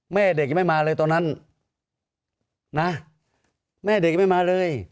แม่เด็กยังไม่มาเลยตอนนั้นนะแม่เด็กยังไม่มาเลย